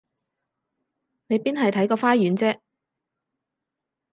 你邊係睇個花園啫？